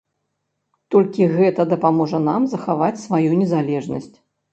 Толькі гэта дапаможа нам захаваць сваю незалежнасць.